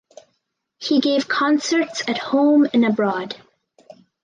He gave concerts at home and abroad.